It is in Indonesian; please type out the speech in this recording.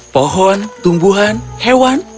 pohon tumbuhan hewan